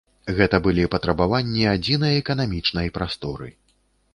Гэта былі патрабаванні адзінай эканамічнай прасторы!